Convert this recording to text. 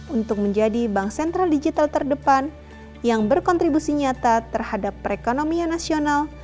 untuk menjadi bank sentral digital terdepan yang berkontribusi nyata terhadap perekonomian nasional